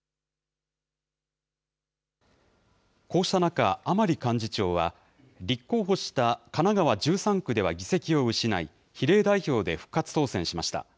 こうした中、甘利幹事長は、立候補した神奈川１３区では議席を失い、比例代表で復活当選しました。